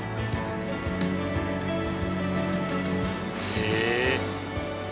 へえ。